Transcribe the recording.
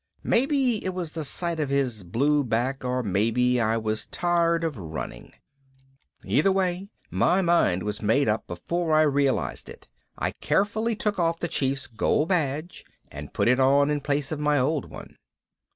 Maybe it was the sight of his blue back or maybe I was tired of running. Either way my mind was made up before I realized it. I carefully took off the Chief's gold badge and put it on in place of my old one.